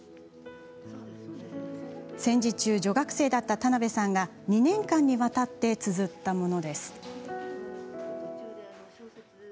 戦時中、女学生だった田辺さんが２年間にわたってつづったものです。